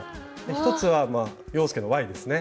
１つは「洋輔」の「Ｙ」ですね。